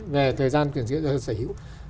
về thời gian quyền sở hữu